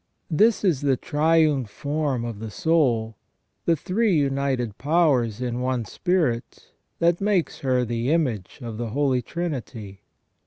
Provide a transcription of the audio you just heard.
This is the triune form of the soul, the three united powers in one spirit, that makes her the image of the Holy Trinity.